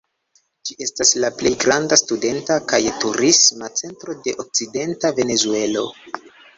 Ĝi estas la plej granda studenta kaj turisma centro de okcidenta Venezuelo.